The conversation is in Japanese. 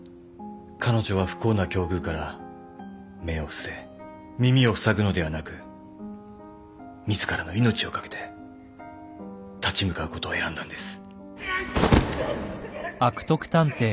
彼女は不幸な境遇から目を伏せ耳をふさぐのではなく自らの命を懸けて立ち向かうことを選んだんです。